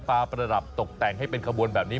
ประดับตกแต่งให้เป็นขบวนแบบนี้